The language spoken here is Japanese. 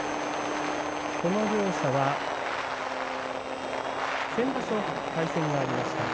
この両者は先場所対戦がありました。